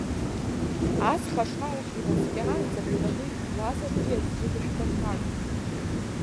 Аҵх ашарахь инаскьаанӡа, шәтәаны ижәжәуазаргьы аӡәгьы дышәԥырхагам.